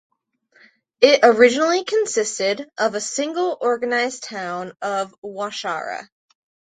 It originally consisted of a single organized Town of Waushara.